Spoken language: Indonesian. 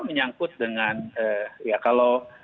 menyangkut dengan ya kalau